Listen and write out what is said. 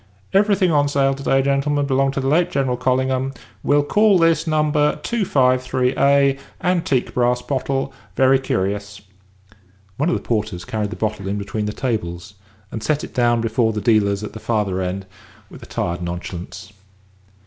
Everything on sale to day, gentlemen, belonged to the late General Collingham. We'll call this No. 253_a_. Antique brass bottle. Very curious." One of the porters carried the bottle in between the tables, and set it down before the dealers at the farther end with a tired nonchalance.